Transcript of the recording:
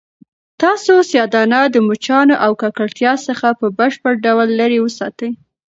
تاسو سیاه دانه د مچانو او ککړتیا څخه په بشپړ ډول لیرې وساتئ.